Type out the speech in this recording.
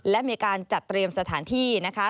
และมีการจัดเตรียมสถานที่นะคะ